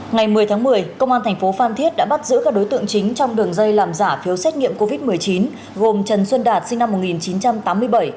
ngày một mươi tháng một mươi công an thành phố phan thiết đã bắt giữ các đối tượng chính trong đường dây làm giả phiếu xét nghiệm covid một mươi chín gồm trần xuân đạt sinh năm một nghìn chín trăm tám mươi bảy